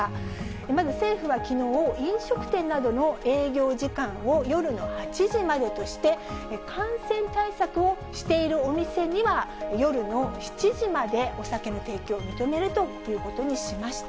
まず政府はきのう、飲食店などの営業時間を夜の８時までとして、感染対策をしているお店には、夜の７時までお酒の提供を認めるということにしました。